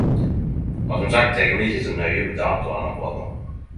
Og som sagt tek vi det ikkje så nøye med datoane akkurat nå.